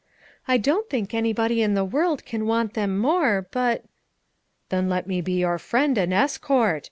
"I don't think anybody in the world can want them more; but—" "Then let me be your friend, and escort.